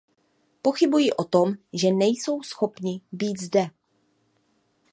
Pochybuji o tom, že nejsou schopni být zde.